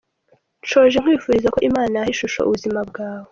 Nsoje nkwifuriza ko Imana yaha ishusho ubuzima bwawe.